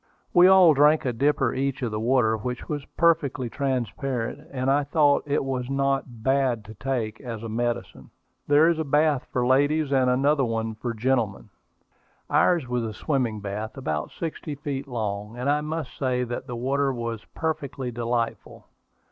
We all drank a dipper each of the water, which was perfectly transparent, and I thought it was not "bad to take" as a medicine. There is a bath for ladies, and another for gentlemen. Ours was a swimming bath, about sixty feet long; and I must say that the water was perfectly delightful.